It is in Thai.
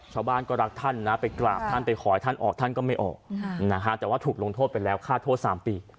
ชาวบ้านก็รักท่านนะไปกราบท่านไปขอให้ท่านออกท่านก็ไม่ออกนะฮะแต่ว่าถูกลงโทษไปแล้วฆ่าโทษ๓ปี